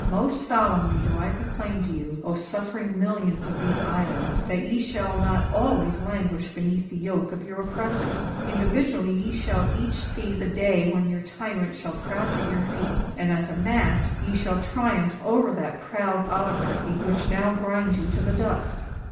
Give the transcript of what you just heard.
Most solemnly do I proclaim to you, O suffering millions of these islands, that ye shall not always languish beneath the yoke of your oppressors! Individually ye shall each see the day when your tyrant shall crouch at your feet; and as a mass ye shall triumph over that proud oligarchy which now grinds you to the dust!